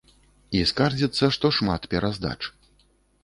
І скардзіцца, што шмат пераздач.